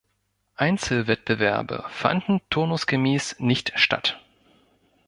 Einzelwettbewerbe fanden turnusgemäß nicht statt.